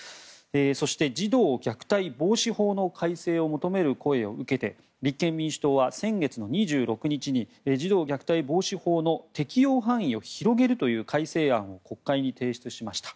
そして児童虐待防止法の改正を求める声を受けて立憲民主党は先月２６日に児童虐待防止法の適用範囲を広げるという改正案を国会に提出しました。